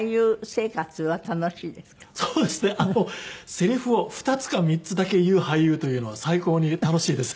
セリフを２つか３つだけ言う俳優というのは最高に楽しいです。